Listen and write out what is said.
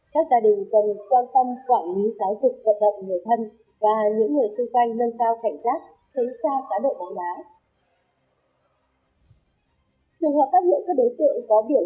các gia đình cần quan tâm toàn với tái dựng hoạt động